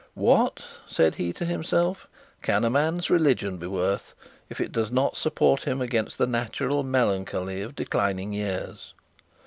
'What,' said he to himself, 'can a man's religion be worth, if it does not support him against the natural melancholy of declining years?'